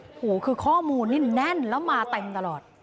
โอ้โหคือข้อมูลนี่แน่นแล้วมาเต็มตลอด